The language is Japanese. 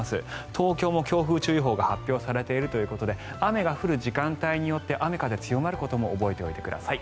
東京も強風注意報が発表されているということで雨が降る時間帯によって雨風が強まることも覚えておいてください。